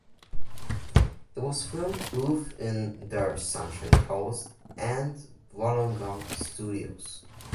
It was filmed both in their Sunshine Coast and Wollongong studios.